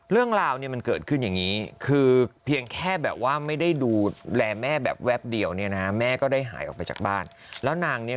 เรื่องราวมันเกิดขึ้นอย่างนี้